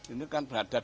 ini kan berada dukungan